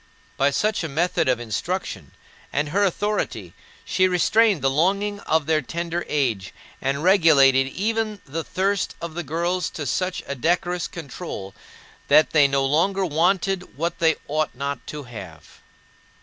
By such a method of instruction, and her authority, she restrained the longing of their tender age, and regulated even the thirst of the girls to such a decorous control that they no longer wanted what they ought not to have.